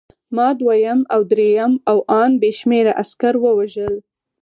ما دویم او درېیم او ان بې شمېره عسکر ووژل